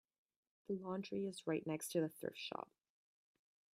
The laundry is right next to the thrift shop.